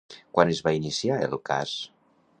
Quan es va iniciar el cas?